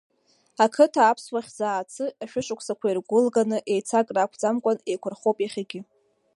Ақыҭа аԥсуа хьӡы Аацы ашәышықәсақәа иргәыл-ганы еицакра ақәӡамкәан еиқәырхоуп иахьагьы.